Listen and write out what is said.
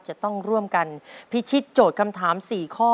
จะต้องร่วมกันพิชิตโจทย์คำถาม๔ข้อ